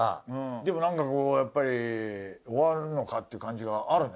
でもなんかこうやっぱり終わるのかっていう感じがあるね。